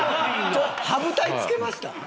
羽二重つけました？